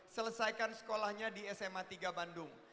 selesaikan sekolahnya di sma tiga bandung